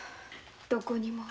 どこにも。